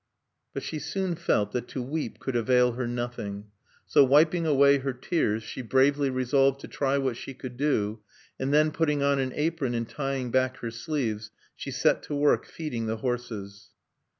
But she soon felt that to weep could avail her nothing. So wiping away her tears, she bravely resolved to try what she could do, and then putting on an apron, and tying back her sleeves, she set to work feeding the horses.